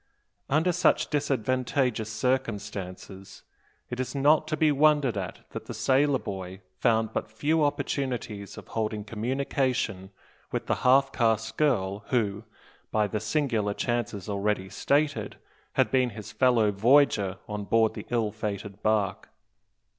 Under such disadvantageous circumstances, it is not to be wondered at that the sailor boy found but few opportunities of holding communication with the half caste girl, who, by the singular chances already stated, had been his fellow voyager on board the ill fated bark.